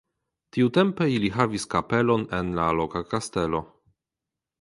Tiutempe ili havis kapelon en la loka kastelo.